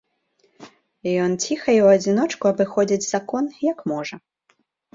Ён ціха і ў адзіночку абыходзіць закон, як можа.